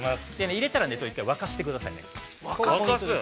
◆入れたらね１回沸かしてくださいね。